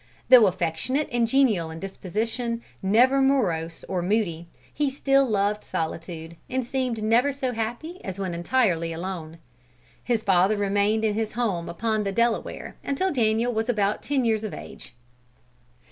Though affectionate and genial in disposition, never morose or moody, he still loved solitude, and seemed never so happy as when entirely alone. His father remained in his home upon the Delaware until Daniel was about ten years of age.